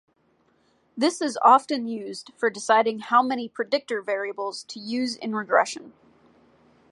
This is often used for deciding how many predictor variables to use in regression.